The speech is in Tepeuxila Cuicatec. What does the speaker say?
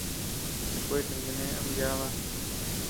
Kueten kane ama yába.